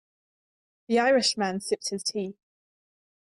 The Irish man sipped his tea.